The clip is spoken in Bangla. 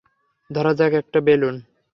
ধরা যাক, একটা বেলুন।